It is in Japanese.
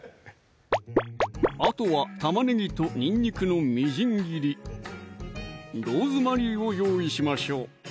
あとは玉ねぎとにんにくのみじん切り・ローズマリーを用意しましょう